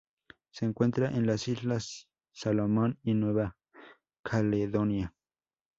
Se encuentran en las Islas Salomón y Nueva Caledonia.